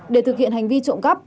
để thực hiện hành vi trộm cắp